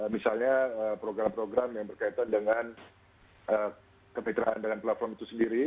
misalnya program program yang berkaitan dengan kemitraan dengan platform itu sendiri